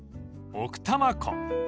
奥多摩湖